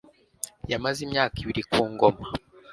yamaze imyaka ibiri ku ngoma